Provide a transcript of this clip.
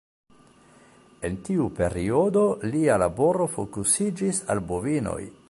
En tiu periodo lia laboro fokusiĝis al bovinoj.